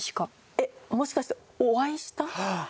えっもしかしてお会いした？